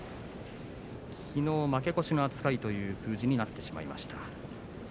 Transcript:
きのう負け越しの扱いという数字になってしまいました。